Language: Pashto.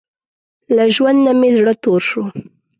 له ژوند نۀ مې زړه تور شو